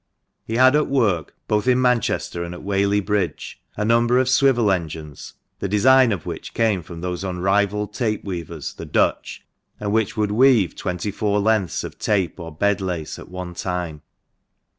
He had at work, both in Manchester and at Whaley Bridge, a number of swivel engines, the design of which came from those unrivalled tape weavers, the Dutch, and which would weave twenty four THE MANCHESTER MAN. 127 lengths of tape or bed lace at one time.